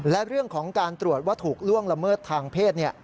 และเรื่องของการตรวจว่าถูกล่วงละเมิดทางเพศ